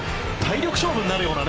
体力勝負になるようなね。